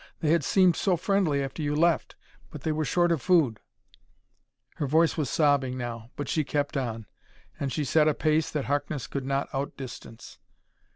They had seemed so friendly after you left but they were short of food " Her voice was sobbing now, but she kept on, and she set a pace that Harkness could not outdistance.